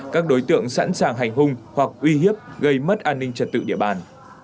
các đối tượng sẵn sàng hành hung hoặc uy hiếp gây mất an ninh trật tự địa bàn